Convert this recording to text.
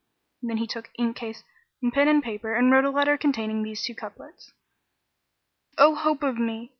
Then he took ink case and pen and paper and wrote a letter containing these two couplets, "O hope of me!